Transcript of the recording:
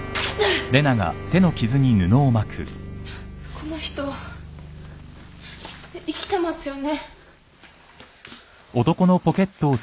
この人生きてますよね？